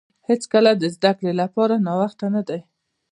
هیڅکله د زده کړې لپاره ناوخته نه دی.